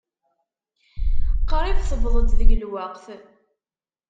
Qrib tewweḍ-d deg lweqt.